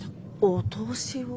お通しを？